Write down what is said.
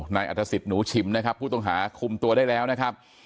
นายอัฐศิษย์หนูฉิมนะครับผู้ต้องหาคุมตัวได้แล้วนะครับ